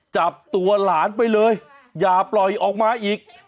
จับตัวหลานไปเลยอย่าปล่อยออกมาอีก